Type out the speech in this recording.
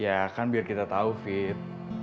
ya kan biar kita tahu fit